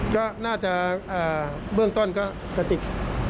ก็น่าจะเบื้องต้นก็กระติก